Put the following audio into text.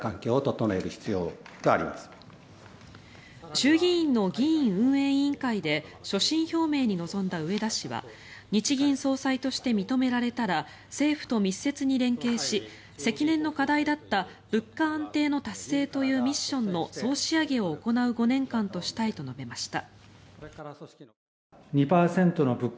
衆議院の議院運営委員会で所信表明に臨んだ植田氏は日銀総裁として認められたら政府と密接に連携し積年の課題だった物価安定の達成というミッションの総仕上げを行う５年間としたいと述べました。